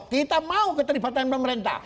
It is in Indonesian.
kita mau keterlibatan pemerintah